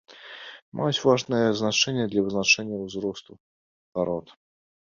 Маюць важнае значэнне для вызначэння ўзросту парод.